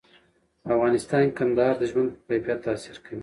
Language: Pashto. په افغانستان کې کندهار د ژوند په کیفیت تاثیر کوي.